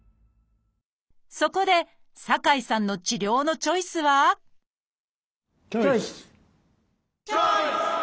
そこで酒井さんの治療のチョイスはチョイス！